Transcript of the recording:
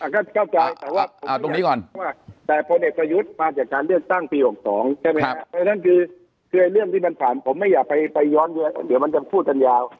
ก็เข้าใจแต่ว่าแต่ผลเหล็กประยุทธมาจากการเรียนตั้งปี๖๒ใช่ไหมฮะ